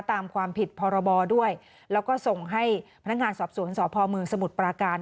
ตามความผิดพรบด้วยแล้วก็ส่งให้พนักงานสอบสวนสพเมืองสมุทรปราการ